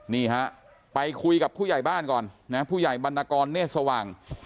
นี่ฮะไปคุยกับผู้ใหญ่บ้านก่อนนะผู้ใหญ่บรรณกรเนธสว่าง